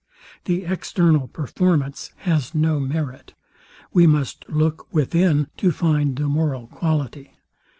The external performance has no merit. We must look within to find the moral quality.